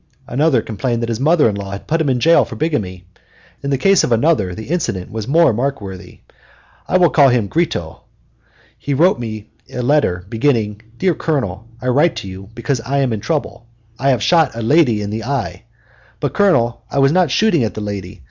Another complained that his mother in law had put him in jail for bigamy. In the case of another the incident was more markworthy. I will call him Gritto. He wrote me a letter beginning: "Dear Colonel: I write you because I am in trouble. I have shot a lady in the eye. But, Colonel, I was not shooting at the lady.